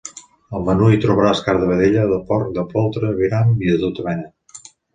Al menú hi trobaràs carn de vedella, de porc, de poltre, aviram i de tota mena.